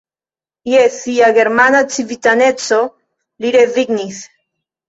Je sia germana civitaneco li rezignis.